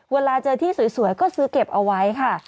เวลาเจอที่สวยก็ซื้อเก็บเอาไว้ค่ะ